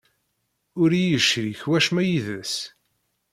Ur iyi-yecrik wacemma yid-s.